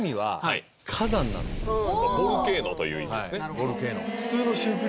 ボルケーノという意味ですね